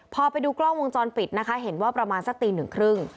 พอไปดูกล้องวงจรปิดนะคะเห็นว่าประมาณสักตี๑๓๐น